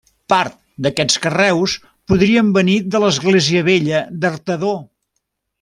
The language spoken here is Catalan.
Part d'aquests carreus podria venir de l'església vella d'Artedó.